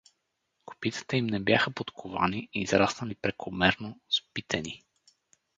Копитата им не бяха подковани, израснали прекомерно, спитенн.